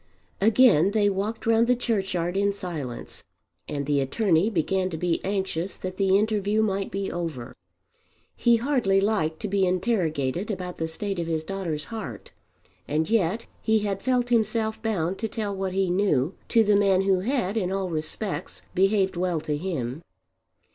Again they walked round the churchyard in silence and the attorney began to be anxious that the interview might be over. He hardly liked to be interrogated about the state of his daughter's heart, and yet he had felt himself bound to tell what he knew to the man who had in all respects behaved well to him.